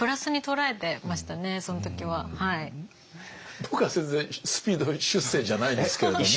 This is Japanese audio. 僕は全然スピード出世じゃないんですけれども。